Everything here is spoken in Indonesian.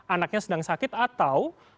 anaknya sedang sakit atau